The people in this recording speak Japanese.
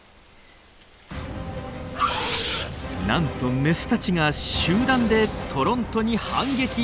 なんとメスたちが集団でトロントに反撃！